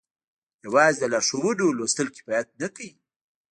يوازې د لارښوونو لوستل کفايت نه کوي.